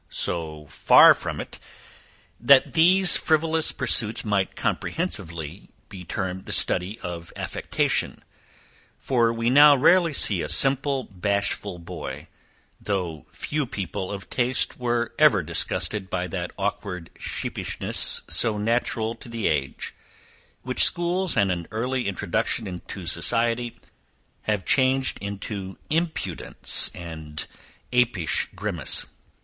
So far from it, that these frivolous pursuits might comprehensively be termed the study of affectation: for we now rarely see a simple, bashful boy, though few people of taste were ever disgusted by that awkward sheepishness so natural to the age, which schools and an early introduction into society, have changed into impudence and apish grimace.